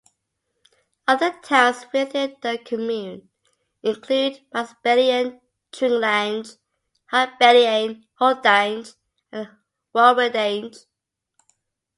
Other towns within the commune include Basbellain, Drinklange, Hautbellain, Huldange, and Wilwerdange.